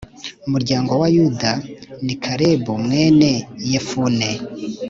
Muryango wa yuda ni kalebu mwene yefune